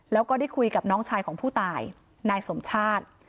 แล้วก็ได้คุยกับน้องชายของผู้ตายนายสมชาติ